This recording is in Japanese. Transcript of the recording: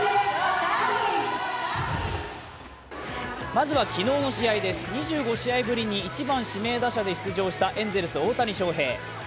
まずは昨日の試合です、２５試合ぶりに１番・指名打者で出場したエンゼルス・大谷翔平。